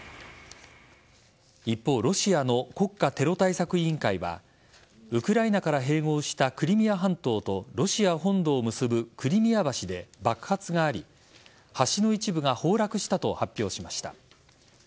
一方ロシアの国家テロ対策委員会はウクライナから併合したクリミア半島とロシア本土を結ぶクリミア橋で爆発があり橋の一部が崩落したと発表しました。